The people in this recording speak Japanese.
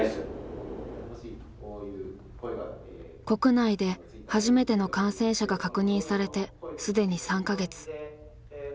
国内で初めての感染者が確認されて既に３か月。